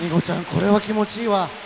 これは気持ちいいわ。